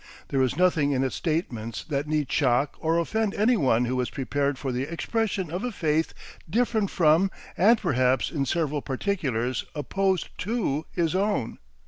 There is nothing in its statements that need shock or offend anyone who is prepared for the expression of a faith different from and perhaps in several particulars opposed to his own.